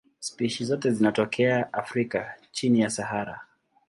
Spishi zote zinatokea Afrika chini ya Sahara.